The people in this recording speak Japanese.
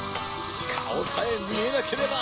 カオさえみえなければ！